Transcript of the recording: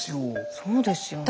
そうですよね。